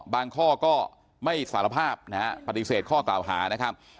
ข้อก็ไม่สารภาพนะฮะปฏิเสธข้อกล่าวหานะครับ